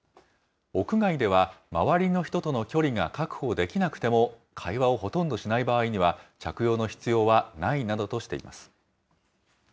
屋外では周りの人との距離が確保できなくても、会話をほとんどしない場合には、着用の必要はないなどとしています。